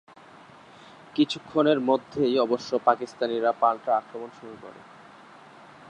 কিছুক্ষণের মধ্যেই অবশ্য পাকিস্তানিরা পাল্টা আক্রমণ শুরু করে।